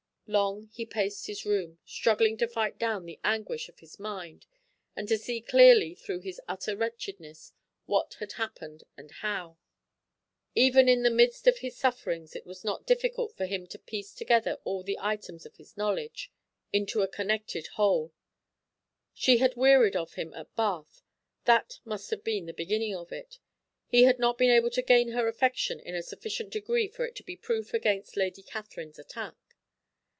Long he paced his room, struggling to fight down the anguish of his mind and to see clearly through his utter wretchedness what had happened and how. Even in the midst of his sufferings it was not difficult for him to piece together all the items of his knowledge into a connected whole. She had wearied of him at Bath; that must have been the beginning of it; he had not been able to gain her affection in a sufficient degree for it to be proof against Lady Catherine's attack.